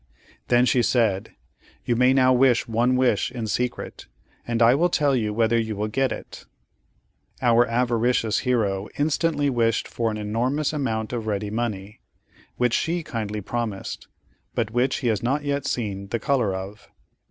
Then she said: "You may now wish one wish in secret, and I will tell you whether you will get it." Our avaricious hero instantly wished for an enormous amount of ready money, which she kindly promised, but which he has not yet seen the color of.